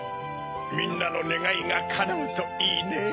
みんなのねがいがかなうといいねぇ。